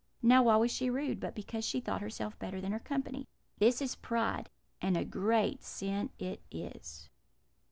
Now, why was she rude, but because she thought herself better than her company? This is pride, and a great sin it is."